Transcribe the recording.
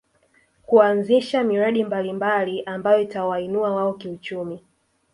Kuanzisha miradi mbalimbali ambayo itawainua wao kiuchumi